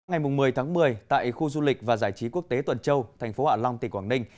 ngày một mươi tháng một mươi tại khu du lịch và giải trí quốc tế tuần châu thành phố hạ long tỉnh quảng ninh